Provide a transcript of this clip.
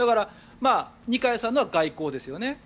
二階さんは外交ですよね。